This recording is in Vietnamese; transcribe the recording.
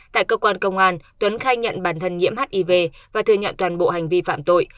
tại cơ quan công an tuấn khai nhận bản thân nhiễm hiv và thừa nhận toàn bộ hành vi phạm tội